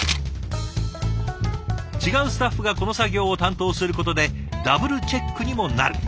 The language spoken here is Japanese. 違うスタッフがこの作業を担当することでダブルチェックにもなる。